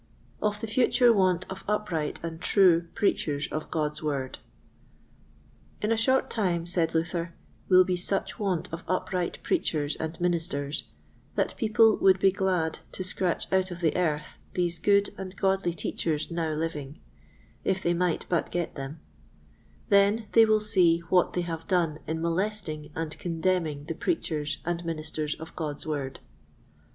Of the future Want of upright and true Preachers of God's Word. In a short time, said Luther, will be such want of upright Preachers and Ministers, that people would be glad to scratch out of the earth these good and godly Teachers now living, if they might but get them; then they will see what they have done in molesting and contemning the Preachers and Ministers of God's Word.